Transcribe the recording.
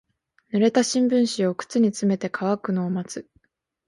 濡れた新聞紙を靴に詰めて乾くのを待つ。